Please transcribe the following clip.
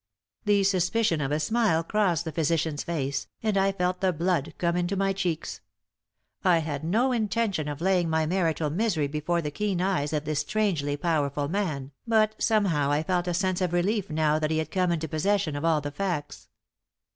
The suspicion of a smile crossed the physician's face, and I felt the blood come into my cheeks. I had no intention of laying my marital misery before the keen eyes of this strangely powerful man, but somehow I felt a sense of relief now that he had come into possession of all the facts.